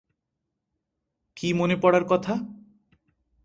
কী মনে পড়ার কথা?